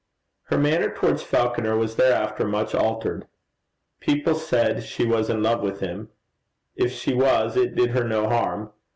Her manner towards Falconer was thereafter much altered. People said she was in love with him: if she was, it did her no harm.